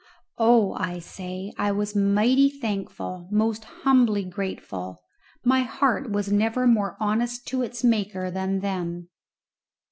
Oh, I say, I was mighty thankful, most humbly grateful. My heart was never more honest to its Maker than then.